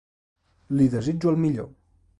Li desitjo el millor.